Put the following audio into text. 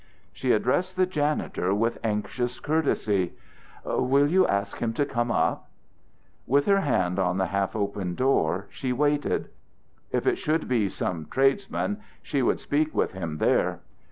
She addressed the janitor with anxious courtesy: "Will you ask him to come up?" With her hand on the half open door, she waited. If it should be some tradesman, she would speak with him there.